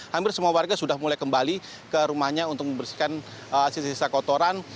hampir semua warga sudah mulai kembali ke rumahnya untuk membersihkan sisa sisa kotoran